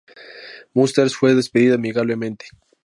Musters fue despedido amigablemente.